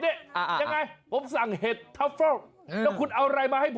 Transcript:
วิทยาลัยศาสตร์อัศวิทยาลัยศาสตร์